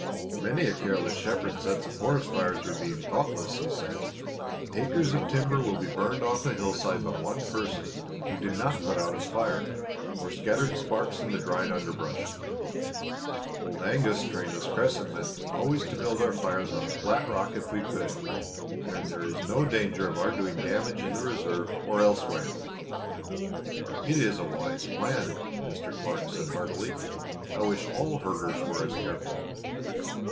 "Many a careless shepherd sets a forest fire through being thoughtless," he said. "Acres of timber will be burned off a hillside by one person who did not put out his fire, or scattered sparks in the dried underbrush. Old Angus trained us Crescent men always to build our fires on a flat rock if we could; then there is no danger of our doing damage in the reserve or elsewhere." "It is a wise plan," Mr. Clark said heartily. "I wish all herders were as careful."